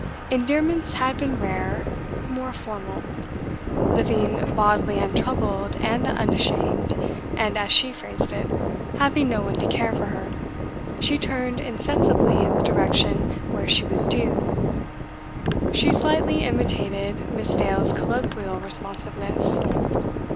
Endearments had been rare, more formal; living bodily untroubled and unashamed, and, as she phrased it, having no one to care for her, she turned insensibly in the direction where she was due; she slightly imitated Miss Dale's colloquial responsiveness.